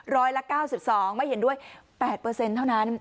ร้อยละ๙๒ไม่เห็นด้วย๘เท่านั้น